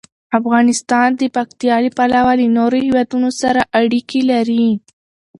افغانستان د پکتیا له پلوه له نورو هېوادونو سره اړیکې لري.